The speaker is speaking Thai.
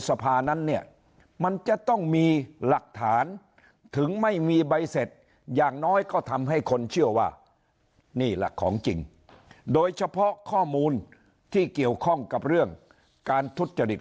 สภานั้นเนี่ยมันจะต้องมีหลักฐานถึงไม่มีใบเสร็จอย่างน้อยก็ทำให้คนเชื่อว่านี่หลักของจริงโดยเฉพาะข้อมูลที่เกี่ยวข้องกับเรื่องการทุจริต